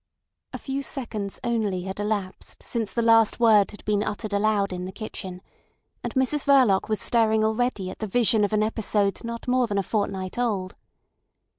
A few seconds only had elapsed since the last word had been uttered aloud in the kitchen, and Mrs Verloc was staring already at the vision of an episode not more than a fortnight old.